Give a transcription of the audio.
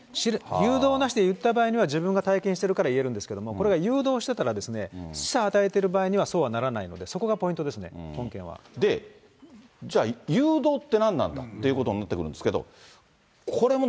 誘導なしで言った場合には、自分が体験してるから言えるんですけども、これが誘導してたら、示唆を与えている場合には、そうはならないので、そこがポイントじゃあ、誘導って何なんだということになってくるんですけども。